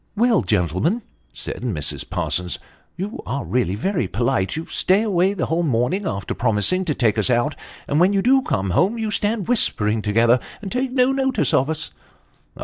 " Well, gentlemen," said Mrs. Parsons, " you are really very polite ; you stay away the whole morning, after promising to take us out, and when you do come home, you stand whispering together and take no notice of us."